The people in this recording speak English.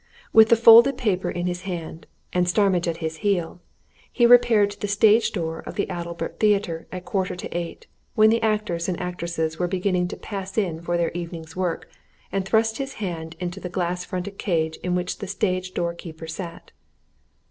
With the folded paper in his hand, and Starmidge at his heel, he repaired to the stage door of the Adalbert Theatre at a quarter to eight, when the actors and actresses were beginning to pass in for their evening's work and thrust his head into the glass fronted cage in which the stage door keeper sat.